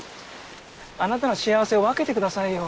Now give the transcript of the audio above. あなたの幸せを分けてくださいよ。